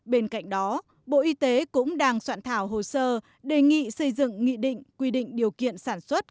bên cạnh đó bộ y tế cũng đang soạn thảo hồ sơ đề nghị xây dựng nghị định quy định điều kiện sản xuất